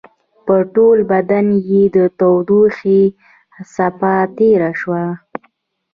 په ټول بدن يې د تودوخې څپه تېره شوه.